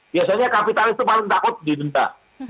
biasanya kapitalis itu paling takut didenda